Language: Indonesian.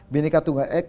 bhinneka tunggal e